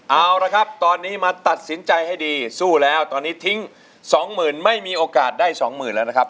เอาละครับตอนนี้มาตัดสินใจให้ดีสู้แล้วตอนนี้ทิ้งสองหมื่นไม่มีโอกาสได้สองหมื่นแล้วนะครับ